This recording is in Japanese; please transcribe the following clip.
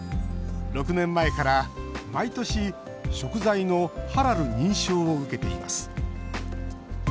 ６年前から毎年食材のハラル認証を受けています。